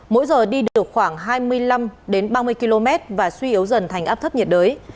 mỗi giờ đi được khoảng hai mươi năm ba mươi km và suy yếu dần thành áp thấp nhiệt đới